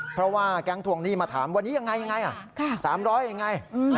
เพราะว่าแก๊งทวงหนี้มาถามวันนี้ยังไง๓๐๐ยังไง